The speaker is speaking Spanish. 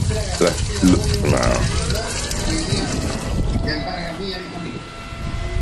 Los tres ganadores se clasificarán a la ronda final de la Copa Mundial.